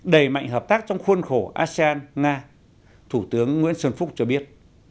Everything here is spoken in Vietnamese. đẩy mạnh hợp tác trong khuôn khổ asean nga thủ tướng nguyễn xuân phúc cho biết